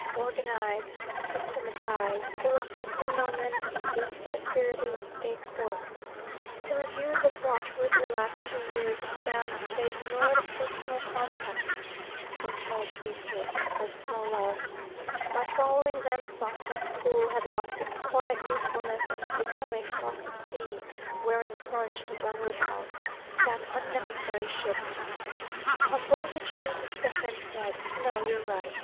"Organize." "Systematize." "Fill up every moment," "Induce esprit de corps." He reviewed the watchwords of the last two years, and found that they ignored personal contest, personal truces, personal love. By following them Sawston School had lost its quiet usefulness and become a frothy sea, wherein plunged Dunwood House, that unnecessary ship. Humbled, he turned to Stephen and said, "No, you're right.